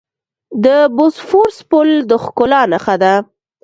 د بوسفورس پل د ښکلا نښه ده.